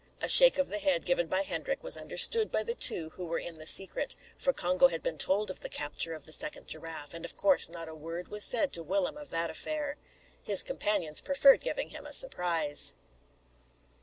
A shake of the head given by Hendrik was understood by the two who were in the secret, for Congo had been told of the capture of the second giraffe, and of course not a word was said to Willem of that affair. His companions preferred giving him a surprise.